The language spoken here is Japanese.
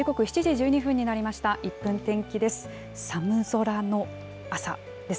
１分天気です。